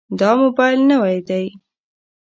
دا موبایل نوی دی.